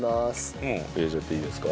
もう入れちゃっていいですか？